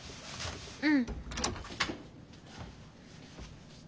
うん。